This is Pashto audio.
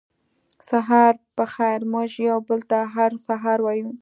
سهار پخېر موږ یو بل ته هر سهار وایو